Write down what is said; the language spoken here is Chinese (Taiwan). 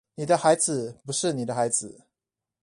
你的孩子不是你的孩子